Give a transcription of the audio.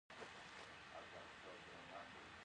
د افغانستان جغرافیه کې وحشي حیوانات ستر اهمیت لري.